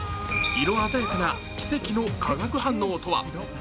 色鮮やかな奇跡の化学反応とは？